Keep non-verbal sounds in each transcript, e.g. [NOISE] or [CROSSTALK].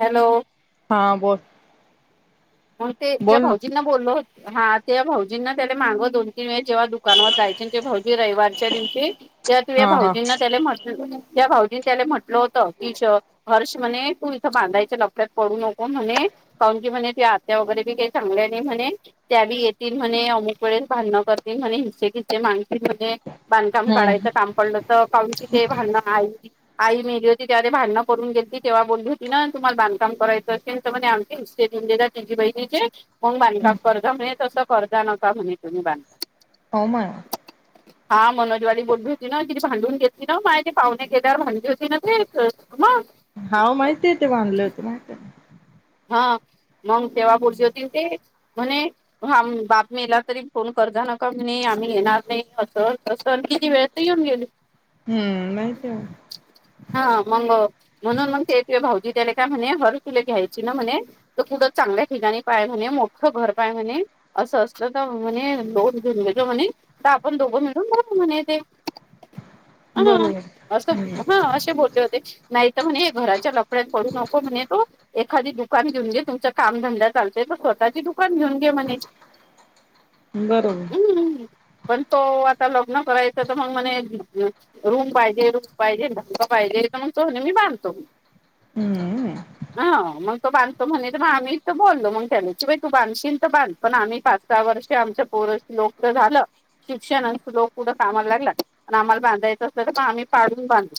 Hello हा बोलोल मग ते ज भाऊजींना बोलल हो हा ते भाऊज जिना त्याला माग दोन तीन वेळे जेव्हा दुकानवर जायचे भाऊजी रविवारच्या दिवशी, त्या तू्या हा हा भाऊजींना त्याला म्हत त्या भाऊजी, त्या म्हटलं होत की हर्ष म्हणे तू इथ बांधायच्या लपड्यात पडू नको म्हणे, [UNINTELLIGIBLE] नको म्हणे त्यात. त्या वगैरे बी काही चांगल्या नाही म्हणे त्या बी येतील म्हणे, अमुक वेळेस भांडण करतील म्हणे हिस्से - खिस्स माती बांधकाम हम्म काढायचं काम पडलं तर कावरी चे ते भांडण आई आई मेहली होती त्या भांडणं करून गेलीती तेव्हा बोलली होती ना, तुम्हाला बांधकाम करायचं असेल तर आमचे हिस्से तिी [UNINTELLIGIBLE] बहिणीचे मग बांधकाम कर्जा म्हणे तसं कर्जा नका म्हणे तुम्ही बांधकाम. हो म हा मनोजवाडी बोलली होती ना तिी भांडून घेतली ना माझ तेे पाहुणे केल्यावर भांडली होती ना ते. मंग. हा माहितीय आहे ते बांधले होते माहित ना. हा मग तेव्हा बुरजी होती ते म्हणे बातमीला तरी फोन कर. अर्धा नकामी नाही आम्ही येणार नाही असं त किती वेळ येऊन गेली. हम्म नाही. हा मग म्हणून मग ते त भाऊजी त्याला काय म्हणे हर तुला घ्यायचं म्हणे खूप चांगल्या ठिकाणी पाय म्हणे, मोठ घर पाय म्हणे अस असलं तर म्ह दोन जो म्हणे तर आपण दोघं मिळून बघू म्हण ते. हा बरोबर असं हा. हम्म असे बोलले होते. नाही तर म्हणे घराच्या लफड्यात पडू नको म्हणे तु. एखादी दुकान घेऊन घे तुमचा कामधंद्या चालतय तर स्वतःची दुकान घेऊन घे म्हणे [INAUDIBLE] बरोबर हम्म पण तो आता लग्न करायचं तर मग म्हणे रूम पाहिजे रूम पाहिजे ध पाहिजे पाहिण तो मी बांधतो हम्म ह मग तो बधतो म्हणे मग आम्ही तर बोललो मग त्यालाई तू बांधशीील तर बांध पण आम्ही पाच वर्ष आमच्या पोर लोक झालं शिक्षण लोक कुठं कामायला लागलात प आम्हाला बांधायचं अस तर पण आम्ही पाडून बांधू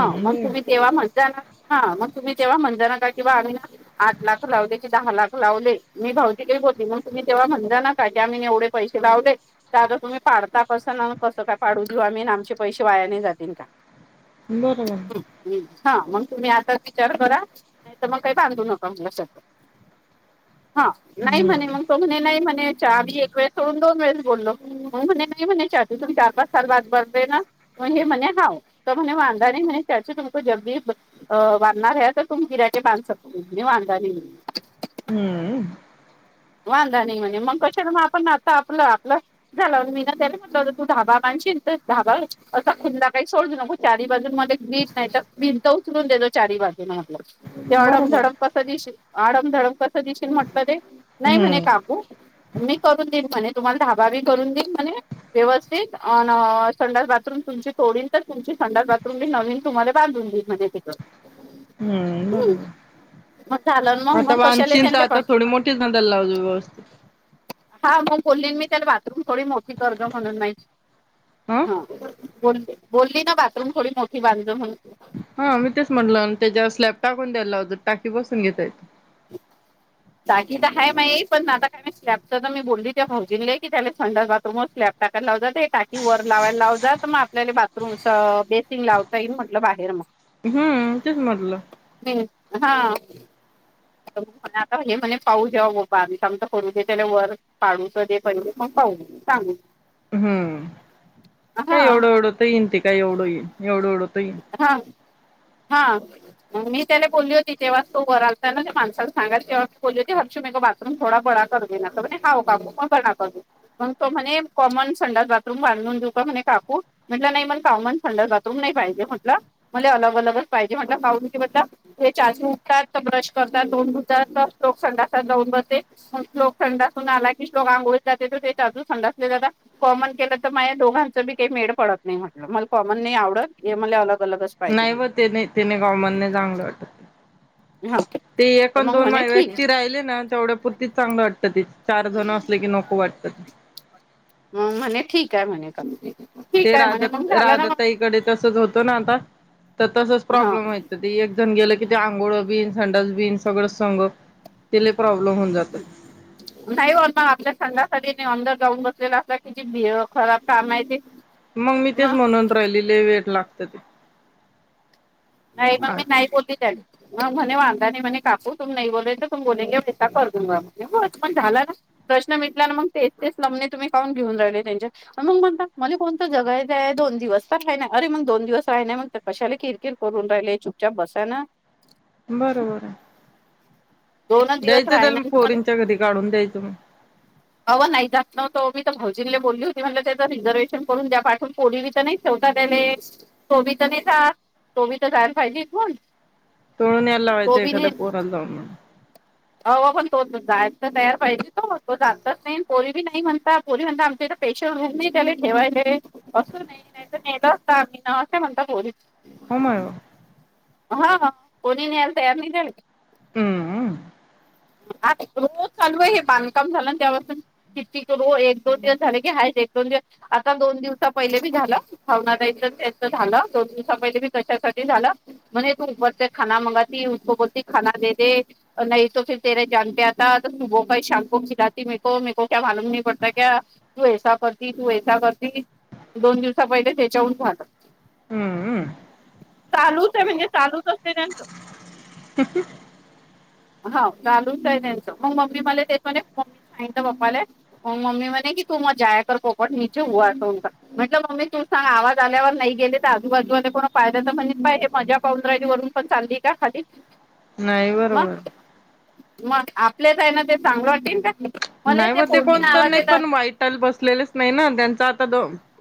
हो मग तुम्ही तेव्हा म्हणता ना हा मग तुम्ही तेव्हा म्हणजना का किंवा आम्ही आठ लाख लावले की दहा लाख लावले मी भावतीिक के मग तुम्ही तेव्हा म्हण काी आम्ही एवढे पैसे लावले तर आता तुम्ही पाडता कस कस पाडू देऊ आम्ही आमचे पैसे वायाने जातील का बरोबर हा मग तुम्ही आताच विचार करा नाही तर मग काही बांधू नका मुला हा नाही म्हणे हम्म मग तो म्हणे नाही म्हणे च आधी एक वेळेस सोडून दोन वेळेस बोललो म म्हणे नाही म्हणे तुम चार पाच सल बाात ब दे ना हे म हाव त म्ह वांदाा म्ह चचा तुमको जलदी अ बांधणार आहे तर तुम् किराटे बांध शके वांगा हम्म वांधा नाही म्हणे मग कशा मग आपण आता आपलं आपलं झालं मी ना त्याला म्हटलं होत तू धाबा तु धाबा आहे असा खुनला बाई काही सोडजो नको चारी बाजू मध्ये भीट नाही तर भिंत उचलून देजो चारी वाजे म आपलं ते बरोबर अडमझडम कसं दिशील अडमझडम कसं दिशील म्हटलं ते नाही म्हणे हम्म काकू मी करून देन म्हणे तुम्हाला ढाबा बी करून देन म्हणे व्यवस्थित संडास बाथरूम तुमची थोडी तर तुमची संडा बातरूमी नवीन तुम्हाला बांधून देईल म्हणजे तथं हम्ट झालं मग आता मग कशाला वांचीनचा त्यांना आता थोडी मोठीच नदल लावज व्यवस्थित हा मग बोललीन मी त्याला बाथरूम थोडी मोठी गर्ज म्हणून माहिती हा बली बोलली ना बाथरूम थोडी मोठी बांधम म्हण हा मी तेच म्हटल त्याच्यावर स्लॅब टाकून द्यायला अजर टाकी बसून घेता येत दागी तर आहे मा पण आता कायी स्लॅबच मी बोलली त्या भाौजीन की त्याला थंडर बाथरूम स्लॅब टाकायला लाव जात हे टाकिंग वर लावायला लाव जात मग आपल्याला बाथरूम बेसिंग लावता येईल म्हटलं बाहेर मग हम्म तेच म्हटलं ह् हा हे म्हणे पाहू जेव गोबा आ्ही स आमजं करू दे त्याला वर पाडूच दे पहि पण पाहू सांगू हम्म हा काय एवढं एवढं तर येईन ते काय एवढं येईन एवढं एवढं तर येईन हा हा मग मी त्याला बोलली होती तेव्हा तो वरालाल त्या ना मासाला सांगयच तेव्हा बोलली होती हरशू मग बथूम थोडा बळा तो म्हणे कॉमन संडास बाथरूम बांधून देऊ का म्हणे काकू म्हटल नाही म्हणे कॉमन संडास बाथरूम नाही पाहिजे म्हट म अलग अलगच पाहिजे म्हट पा ब चाचू उठतात तर ब्रश करतात दोन [UNINTELLIGIBLE] कॉमन केल तर माझ दोघांच काही मेड पडत नाही म्हटलं मला कॉमन नाही आवडत हे म अलग अलगच पाहिजे नाही व म्हध्ये त्याने त्याने कॉमन नाही चांगलं वाटत हा ते एकण दोन मा ठीक व्यक्ती राहिले ना तेवढ्या पुुरती चांगलं वाटतं ते चार जण असले की नको वाटत म म्हणे ठीक आहे म्हणे का ठीक ते आहे म्हणे राधा मग झाला ना मग राधाताईकडे तसच होतं ना आता तसच हा प्रॉब्लेम व्हायं त एक जण गेल कि आघोळ बिन [UNINTELLIGIBLE] बि सगळ संघ ते लय प्रॉ नाही हो म आपल्या संघासाठी [UNINTELLIGIBLE] अंदर जाऊन बसलेला असता किती खराब काम आहे ते मग मी तेच म्हणून राहिलेले वेळ लागत ते- नाही मग मी नाही बोलली त्या म म्हणे वांदा नाही म्हणे काकू तुम नाही बोले तो तु बोलेेगे करून हो पण झाला ना प्रश् [UNINTELLIGIBLE] ट तेच ल तु घेऊ राण कोण जगाय दो दिव [UNINTELLIGIBLE] दिवस आहे ना अरे मग दोन दिवस आहे ना मग कशाला किरकिर करून राहिले चुपचाप बसाय ना. बरोबर आहे. दोनच दिवस द्यायचं राही त्याला म ना तुम्हाला पोरींच्या घरी [UNINTELLIGIBLE] द्यायचं मग [UNINTELLIGIBLE] अव नाही जात नवतो मी तर भाउजीनले बोलली होती, म्हटलं त्याचं रिझर्वेहेशन करून द्या, पाठून [UNINTELLIGIBLE] [INAUDIBLE] तर नाही ठेवत. तो [INAUDIBLE] तर मी तो बी तर जाला पाहिजे कोण तोडून यायला [UNINTELLIGIBLE] तो लावायचं बी एखाद्या पोराला जाऊन [INAUDIBLE] आपण [UNINTELLIGIBLE] तो त जायला तयार पाहिजे ना तो जातच नाही [UNINTELLIGIBLE] पोरी नाही म्हणता पोरी म्हणता आमच्याईथ पेशल रूम नाही तेला ठेवायला अस नाही नाही तर नेल ह ना अस म्हणता बोलरच [UNINTELLIGIBLE] हो मार [UNINTELLIGIBLE] हा हा कोणी न्यायाला तयार नाही तेला. हम्म. आ रोज चालू आहे हे बांधकाम झालं तेासून किती रो एक दोन दिवस झाले की हा [UNINTELLIGIBLE] आता दोन दिवसा पहिले झाला भाव झा दोन दिवसा पहिली [UNINTELLIGIBLE] [UNINTELLIGIBLE] म त पर ते खा मंगाी उको बोलती खा दे दे नाही तो फिर तेे जन प आता [UNINTELLIGIBLE] सुब का शामक खिलाती मक क मालूम नाही पडता क तू ससा करती तू स करती [UNINTELLIGIBLE] दोन दिवसा पहिले त्याच्याहून वाहत- हम्मम.. चालूच आहे म्हणजे चालूच असते त्यांच ह [UNINTELLIGIBLE] [INAUDIBLE] हो घालूनच आहे त्यांच मग मम्मी मला तेेत म्मी सांगलं्पाला मग मम्मी म्हणे की त [UNINTELLIGIBLE] मग जा कर पपट ने ह अस म्हटलं मम्मी तू सांग आवाज आल्यावर नाही गेले तर आजूबाजू [UNINTELLIGIBLE] पाहिल्याच म्हणज बा हे मजा पाऊून राहियची वरून पण चालली का खाली [UNINTELLIGIBLE] नाही बरोबर. मग मग आपल्याच आहे ना ते चांगलं वाटेल का मला नाही त्या म ते पोरगीनं कोणत आवाज नाही येतात पण वाईट बसलेलेच नाही ना, त्यांचा आता दो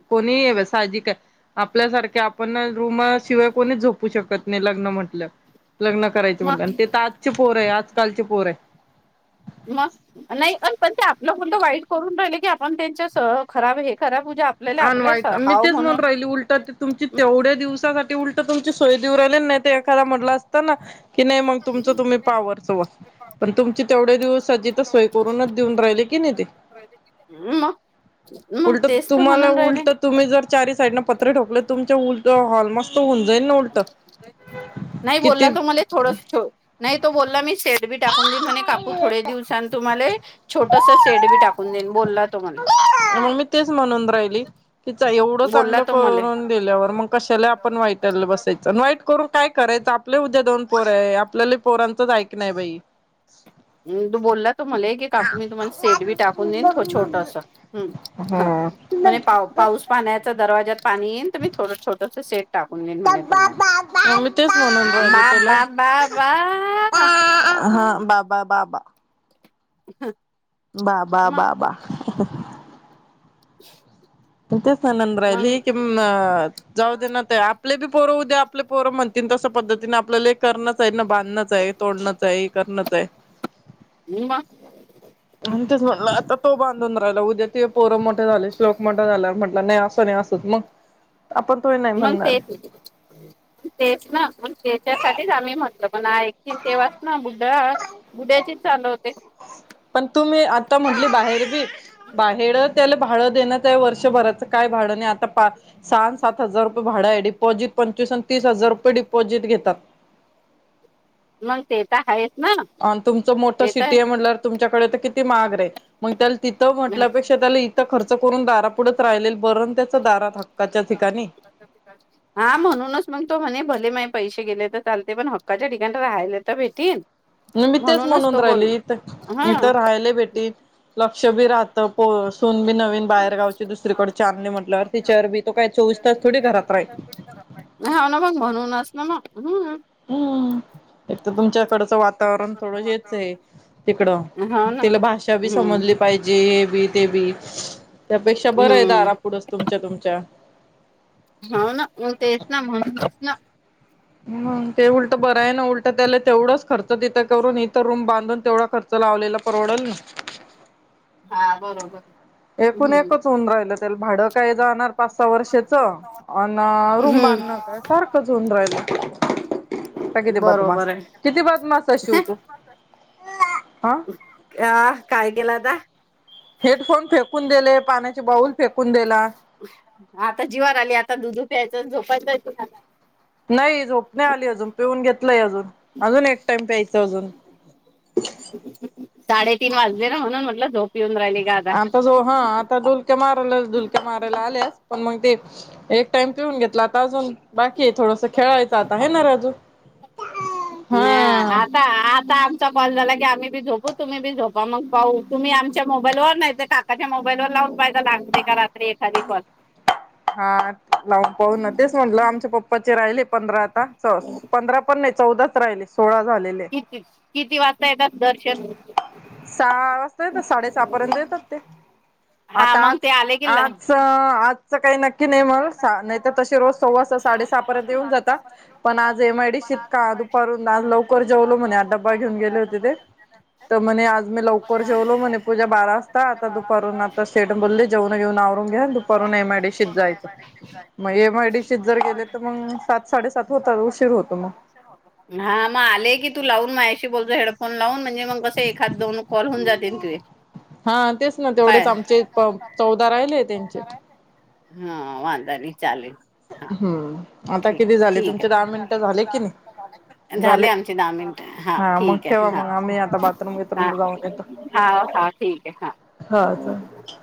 कोणी याव साहजिक आहे, आपल्यासारखे आपण रूमाशिवाय कोणी झोपू शकत लग्न म्हटलं, लग्न करायचे म्हटलं मग आणि ते तर आजचे पोर आहे आजकालचे पोर आहे. मग नाही अ पण ते आपलं कोणत वाईट करून राहिले की, आपण त्यांच्या खराब हे खराब म्हणजे आपल्याला आपल्या अनवाईच, मी हाव तेच म्हन म्हणून राहिली उलट ते तुमची तेवढ्या दिवसासाठी उलट तुमची सोय देऊ राहिले ना नाही ते खरं म्हटलं असत ना- कि नाही मग तुमचं तुम्ही पावर चं पण तुमची तेवढे दिवस हजी तर सोय करूनच देऊन राहिली. [UNINTELLIGIBLE] ह [INAUDIBLE] उलट तुम्हाला उलट तुम्ही जर चारी साईडन पत्रे ठोकले तुमच्या उलट हॉल मस्त होऊन तन उळत [UNINTELLIGIBLE] नाही बोलला तो मला थोड नाही, तो बोलला मी शेड बी टाकून देन म्हणे काकू थोडे दिवसां तुम्हाले छोटस शेड बी टाकून देईल बोलला तुम्हाले. मग मी तेच म्हणून राहिली. कि एवढं बोलला चांगलं तो मले. करून दिल्यावर मग कशाला आपण वाईटला बसायचं वाईट करून काय कर आपले उद्या दोन पोर आहे, आपल्याला पोरांचंच ऐक नाही बाई. हम तू बोलला तो मला की काकू मी तुम्हाला सेट बी टाकून देईन छोटं असं हम हा म्हणजे पाऊस पाण्याचा दरवाज्या पाणी येईन मी थोडं छोटंस सेट टाकून येईन म्हणे तुम्हाला मग मी तेच म्हणून बा राहिले बा त्याला बा बा मग हा बाबा बाबा [INAUDIBLE] बा बा बा बा [INAUDIBLE] [UNINTELLIGIBLE] तेच आनंद राहिली मग की जाऊ दे ना ते आपले बी पोरं उद्या आपले पोरं म्हणतील तसं पद्धतीने आपल्याला हे करणच आहे ना बांधणच आहे तोडणच आहे करणच आहे [INAUDIBLE] आणि तेच म्हणलं आता तो बांधून राहिला उद्या ते पोरं मोठे झाले श्लोक मोठा झाला म्हटलं नाही असं नाही असत मग आपण तोही नाही मग म्हणणार तेच तेच ना मग तेच्यासाठीच आम्ही म्हटलं पण ऐकतील तेव्हाच ना बुढा बुढ्याचीच चालू होते पण तुम्ही आता म्हटली बाहेर बी बाहेर त्याला भाडे देणार ते वर्षभराच काय भाड नाही आत्ता सात हजारच भाडं आहे डिपॉझिट पण तीस हजार रुपये डिपॉजिट घेतात मग ते तर आहेच ना अ तुमचं मोठं ते तर सिटी आहे म्हटल्यावर तुमच्याकडे तर किती महाग आहे मग त्या तिथं म्हटल्यापेक्षा त्याला इथं खर्च करून दारापुडच राहिलेल बरं त्याच दारात हक्काच्या ठिकाणी हा म्हणूनच म्हणतो म्हणे भले माहित पैसे गेले तर चालते पण हक्काच्या ठिकाणी राहायला तरी भेटील म मी तेच म्हणून राहिली इथ हा इथं राहायला भेटील लक्ष बी राहत हो सुन बी ना नवीन बाहेरगावची दुसरीकडची आणली म्हटल्यावर तिच्यावर बी तो काय चोवीस तास थोडी घरात राही हाव ना मग म्हनूनच ना मग हम्म एक तर तुमच्याकडचं वातावरण थोडं हेच आहे तिकडं हो ना तिला भाषा बी हम्म समजली पाहिजे हे बी ते बी त्यापेक्षा बरं आहे हम्म दारापुढंच तुमच्या तुमच्या हो ना मग तेच ना म्हणूनच ना ते उलट बरं आहे ना उलटं त्याला तेवढंच खर्च तिथं करून इथं रूम बांधून तेवढा खर्च लावलेला परवडल ना हा बरोबर एकूण हम्म एकच होऊन राहिलं त्याला भाड काय जाणार पाच सहा वर्षाच अन् रूम बांधणं काय हम्म सारखंच होऊन राहिल का किती बदमास बरोबर किती बदमास हा आ काय केला आता हेडफोन फेकून दिले पाण्याचे बाऊल फेकून दिला आता जीवावर आली आता दुध प्यायचं झोपायचय त्याला नाही झोप नाही आली अजून पिऊन घेतलंय अजून अजून एक टाइम प्यायच अजून साडेतीन वाजले ना म्हणून म्हटल आता जो हा आता मारा डुलक्या मारायला आल्यास पण मग ते एक टाइम पिऊन घेतला आता अजून बाकी थोडसं खेळायचं आता आहे ना राजू हा नाही आता आता आमचा कॉल झाला कि बी झोपू तुम्ही बी झोपा मग पाहू तुम्ही आमच्या मोबाईलवर नाही ते काकाच्या मोबाईलवर लावून पाहिल लाग का रात्री एखादी कॉल हा लावून पाहू ना तेच म्हटलं आमच्या पप्पाचे राहिले पंधरा आता पंधरा पण नाही चौदा आता राहिले सोळा झालेले किती किती वाजता देतात दर्शन सहा वाजता येतात साडे सहा पर्यंत येतात ते हा आता मग आज ते आले की ला- आज आजच काय नक्की की नाही म काही नक्की नाही तर म्हणून तशी रोज ना नाही सव्वा तर सहा तसे साडे रोज सहा सव्वा पर्यंत येऊन जातात पण आज एमआयडीशीत का दुपारून आज लवकर जेवलो म्हणे डबा घेऊन गेले होते ते तर म्हणे आज मी लवकर जेवलो म्हणे पूजा बारा वाजता आता दुपारून आता सेट बोलले जेवन घेऊन आवरून घ्या दुपारून एमायडीशीत जायं मग एमआयडीशीत जर गेले तर मग सात साडेसात होतात उशीर होतो मग हा मग आलेय की तू लावून मझ्याशी बोलतो हेड फोन लावून म्हणजे मग कस एखाद दोन कॉल होऊन जातील तुजे हा तेच ना तेवढेच आमचे चौदा राहिले त्यांचे हा वाांदा नाय हम्म आता ठीक किती झाले ठीक तुमचे दहा मिनिटं झाले की नाही आहे झाले आमचे दहा मिनिट हा मग ठीक ठेवा आहे मग आम्ही आता हा बाथरूम हा बिथरूमला जाऊन येतो हा हा ठीक आहे हा हा [UNINTELLIGIBLE]